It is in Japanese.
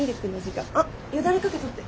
あっよだれ掛け取って。